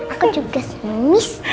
aku juga senang pak